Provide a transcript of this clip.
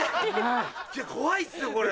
怖いっすよこれ。